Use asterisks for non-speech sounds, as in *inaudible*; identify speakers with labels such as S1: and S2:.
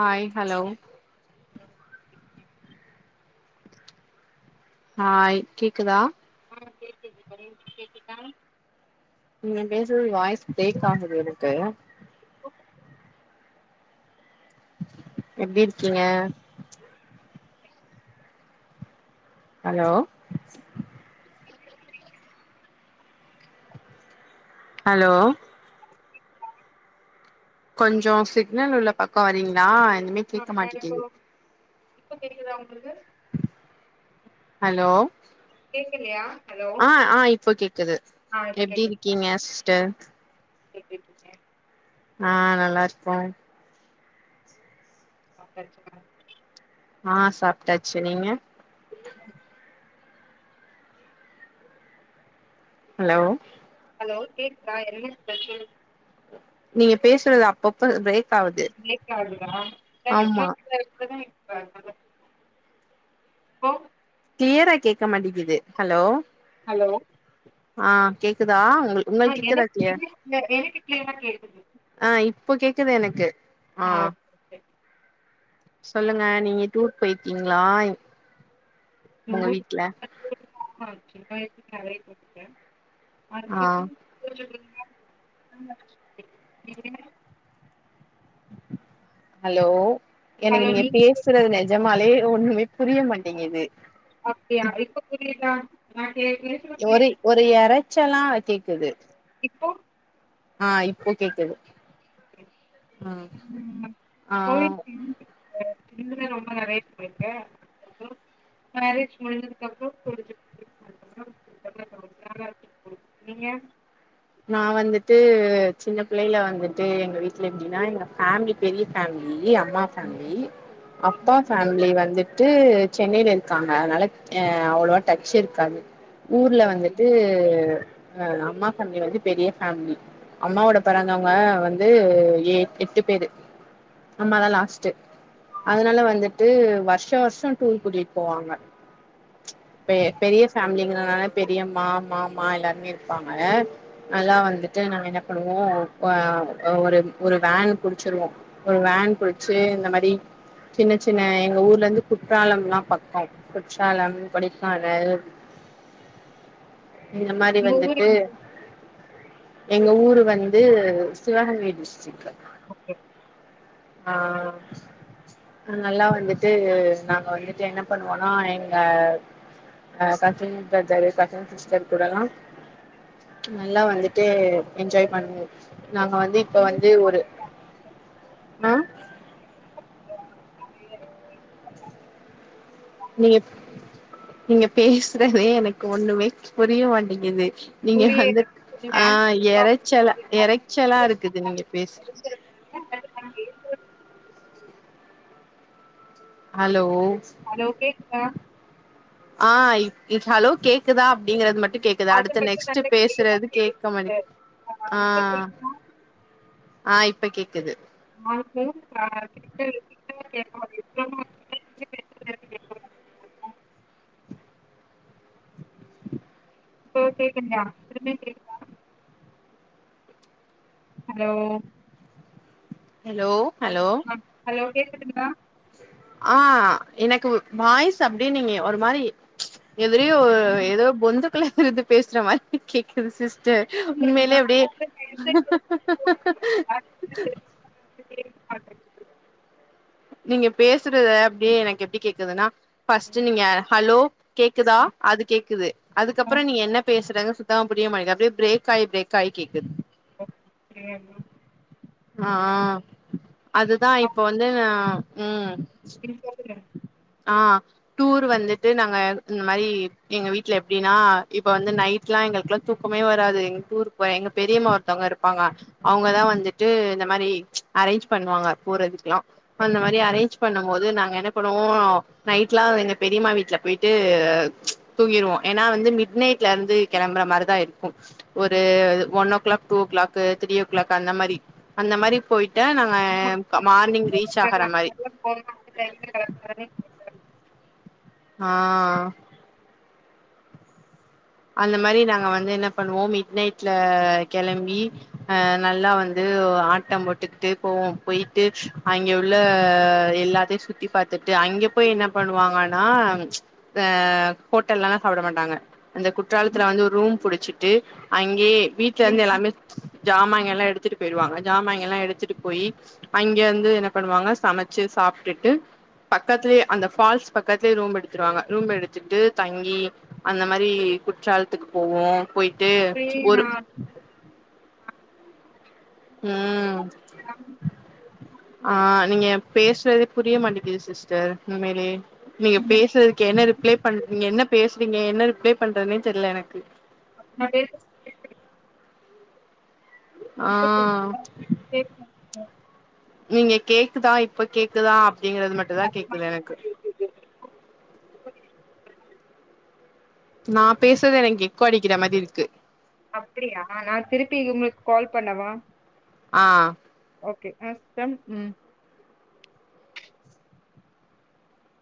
S1: Hi hello
S2: *inaudible*
S1: hi கேக்குதா
S2: ஆ கேக்குது தோழி கேக்குதா
S1: நீங்க பேசுறது வாய்ஸ் பிரேக் ஆகுது எனக்கு எப்டி இருக்கீங்க ஹலோ ஹலோ கொஞ்சோ சிக்னல் உள்ள பக்கோ வரீங்களா ஒண்ணுமே
S2: ஆ
S1: கேக்க
S2: நான் இப்போ
S1: மாட்டிகுது
S2: இப்ப கேக்குதா உங்களுக்கு
S1: ஹலோ
S2: கேக்கலையா ஹலோ
S1: அ ஆ இப்ப கேக்குது
S2: ஆ
S1: எப்டி இருக்கீங்க சிஸ்டர்
S2: பேசிட்ருக்கே
S1: ஆ நல்லா இருக்கோ
S2: சாப்ட்டாச்சா
S1: ஆ சாப்ட்டாச்சு நீங்க
S2: ம்
S1: ஹலோ
S2: ஹலோ கேக்குதா என்ன ஸ்பெஷல்?
S1: நீங்க பேசுறது அப்பப்ப பிரேக் ஆவுது
S2: பிரேக் ஆகுதா *inaudible* *inaudible*
S1: ஆமா
S2: இப்போ
S1: கிளியரா கேக்க மாட்டிங்கிது ஹலோ
S2: ஹலோ
S1: ஆ கேக்குதா உங்கள்
S2: ஆ
S1: உங்களுக்கு கேக்குதா
S2: எனக்
S1: கிளியர்
S2: என்ன இல்ல எனக்கு கிளீயரா கேக்குது
S1: ஆ இப்போ கேக்குது எனக்கு ஆ
S2: ஓகே
S1: சொல்லுங்க நீங்க டூர் போயிருக்கீங்ளா உங்க வீட்ல
S2: பத்து ருபாய்க்கு *inaudible*
S1: ஆ
S2: அடுத்தடுத்து *inaudible* *inaudible*
S1: ஹலோ எனக்கு நீங்க பேசுறது நெஜ மாலே ஒண்ணுமே புரிய மாட்டேங்குது
S2: அப்டியா இப்ப புரி தா *inaudible*
S1: ஒரு ஒரு எர ச்சலா கேக்குது
S2: இப்போ
S1: ஆ இப்போ கேக்குது
S2: ம்
S1: ஆ ஆ
S2: இதுவே ரொம்ப *inaudible* மேரேஜ் முடிஞ்சதுக்கப்புறோ கொஞ்ச *inaudible* நீங்க
S1: நா வந்துட்டு சின்ன புள்ளைல வந்துட்டு எங்க வீட்ல எப்டின்னா எங்க ஃபேமிலி பெரிய ஃபேமிலி அம்மா
S2: ஆமா.
S1: ஃபேமிலி
S2: எங்க
S1: அப்பா
S2: ல
S1: ஃபேமிலி
S2: தான்
S1: வந்துட்டு சென்னையில இருக்காங்க அனால அ அவ்ளவோ டச்ச இருக்காது ஊர்ல வந்துட்டு ஆ அம்மா தம்பி வந்து பெரிய ஃபேமிலி அம்மாவோட பிறந்தவங்க வந்து எ எட்டு பேரு அம்மாதா லாஸ்ட் அதனால வந்துட்டு வருஷோ வருஷோ டூர் கூட்டிட்டு போவாங்க பெ பெரிய பே ஃபேமிலிங்கனால பெரியம்மா மாமா எல்லாருமே இருப்பாங்க நல்லா வந்துட்டு நாங்க என்ன பண்ணுவோ ஒ ஒரு ஒரு வேன் புடிச்சிருவோ ஒரு வேன் புடிச்சி இந்த மாதி சின்ன சின்ன எங் அ ஊர்லந்து குற்றாலம்ல்லா பாக்கோ குற்றாலம் கொடைக்கானல் இந்த மாரி
S2: உங்க ஊர்
S1: வந்துட்டு
S2: எங்க ஊரு
S1: எங்க ஊரு வந்து சிவகங்கை டிஸ்ட்ரிக்
S2: ஓகே
S1: ஆ நல்லா வந்துட்டு நாங்க வந்துட்டு என்ன பண்ணுவோனா எங்க அ கசின் பிரதரு கசின் சிஸ்டர் கூடல்லா நல்லா வந்துட்டு என்ஜாய் பண்ணுது நாங்க வந்து இப்ப
S2: நாங்களும்
S1: வந்து ஒரு
S2: ஜாயின் ஃபேமிலி
S1: அ
S2: தா நெறைய இருக்கு
S1: நீங்க நீங்க பேசுறதே எனக்கு ஒண்ணுமே புரிய மாட்டேங்குது நீங்க
S2: புரி
S1: வந்து ஆ எரைச்சலா எரைச்சலா இருக்குது நீங்க பேச
S2: *unintelligible*
S1: ஹலோ
S2: ஹலோ கேக்குதா
S1: ஆ ப் ஹலோ கேக்குதா அப்பிடிங்கறத் மட் ட்டு கேக்குது
S2: அது
S1: அடுத்த
S2: மட்டு
S1: நெக்ஸ்ட்ட்
S2: நல்ல கிளியரா
S1: பேசுறது கேட்கமாட்
S2: கேக்குது
S1: ஆ
S2: இப்ப கேக்குதா
S1: ஆ இப்ப கேக்குது
S2: ஆ *unintelligible* இப்போ கேக்லியா எதுமே கேக்குதா ஹலோ
S1: ஹலோ ஹலோ
S2: க் க்குதா
S1: ஆ எனக்கு வாய்ஸ் அப்பிடின்னீங்க ஒரு மாரி எதுரியு
S2: ம்
S1: ஏதோ பொந்து க்குல இருந்து பேசுற மாரி கேக்குது சிஸ் ட்டு
S2: இல்ல
S1: உண்மைலியே எப்டே
S2: ஆனா வந்து ஹெட்செட் போடவே இல்ல *unintelligible*
S1: நீங்க பேசுறத அப்டியே எனக்கு எப்டி கேக்குதுன்னா ஃபஸ்ட்டு நீங்க ஹலோ கேக்குதா அது கேக்குது
S2: ஆ
S1: அதுக்கப்புறோ நீ என்ன பேசு த்தங்க சுத்தமா புரிய மாட்டிங்குது அப்டியே பிரேக் ஆயி பிரேக் ஆயி கேக்குது
S2: *inaudible*
S1: ஆ அதுதா இப்போ வந்து ம்
S2: நீ சொல்ற
S1: ஆ டூர் வந்துட்டு நாங்க இந்த மாரி எங்க வீட்ல எப்டின்னா இப்ப வந்து நைட்லா எங்களுக்குளா தூக்கமே வராது எங்க ஊருக்கு எங்க பெரியம்மா ஒருத்தவங்க இருப்பாங்க அவங்கதா வந்துட்டு இந்த மாரி அரேஞ்சு பண்ணுவாங்க போறதுக்குல்லா அந்த மாரி அரேஞ் பண்ணு போது நாங்க என்ன பண்ணுவோ நைட்லா எங்க பெரிம்மா வீட்ல போயிட்டு தூங்கிருவோ ஏன்னா வந்து மிட் நைட்ல இருந்து கெளம்புற மாரிதா இருக்கு ஒரு ஒன்லோ கிளாக் டூவோ கிளாக் திரியோ கிளாக் அந்த மாரி அந்த மாரி போயிட் ட்டா நாங்க மார்னிங் ரீச் ரீச்சாகுற மாரி ஆ அந்த மாரி நாங்க வந்து என்ன பண்ணுவோ மிட் நைட்ல கெளம்பி அ நல்லா வந்து ஆட்டம் போட்டுகிட்டே போவோ போயிட்டு அங்கே உள்ள எல்லாத்தையு சுத்தி பாத்துட்டு அங்கே போய் என்ன பண்ணுவாங்கன்னா அ ஹோட்டல்லல்லா சாப்புட மாட்டாங்க அந்த குற்றாலத்துல வந்து ஒரு ரூம் புடுச்சுட் ட்டு அங்கயே வீட்ல இருந்து எல்லாமே ஜாமாங்க எல்லா எடுத்துட்டு போயிருவாங்க ஜாம்மாங்கெல்லா எடுத்துட்டு போயி அங்க இருந்து என்ன பண்ணுவாங்க சமச்சு சாப்டுட்டு பக்கத்துலயே அந்த ஃப்பால்ஸ் பக்கத்துலயே ரூம் எடுத்துருவாங்க ரூம் எடுத்துட்டு தங்கி அந்தம் அந்த மாரி குற்றாலத்துக்கு போவோ போயிட்டு ஒரு ம் ஆ நீங்க எப் பேசுறதே புரிய மாட்டேங்குது சிஸ்டர் உம்மயிலயே நீங்க பேசுறதுக்கு என்ன ரிப்ளை பண்றீங்க என்ன பேஸ் பேஸ்ரிங்க என்ன ரிப்ளை பண்றதுன்னே தெரில எனக்கு
S2: *inaudible*
S1: ஆ
S2: இப்ப கேக்குதா கேக்குதா சிஸ்டர்
S1: நீங்க கேக்குதா இப்ப கேக்குதா அப்டிங்குறது மட்டுந்தா
S2: அது
S1: கேக்குது
S2: மட்டுந்தா
S1: எனக்கு
S2: கேக்குது
S1: நா பேசுறது எனக்கு எக்கோ அடிக்கிற மாரி இருக்கு
S2: அப்டியா நா திருப்பி இவுங்களுக்கு கால் பண்ணவா
S1: ஆ
S2: ஓகே அம் டம் உம்